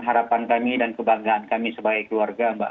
harapan kami dan kebanggaan kami sebagai keluarga mbak